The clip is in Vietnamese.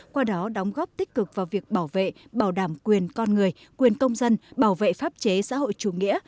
qua đó đóng góp tích cực vào việc bảo vệ bảo đảm quyền con người quyền công dân bảo vệ pháp chế xã hội chủ nghĩa